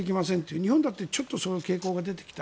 日本だってちょっとその傾向が出てきた。